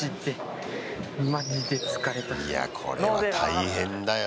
いや、これは大変だよ